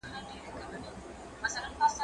هغه څوک چي کار کوي منظم وي،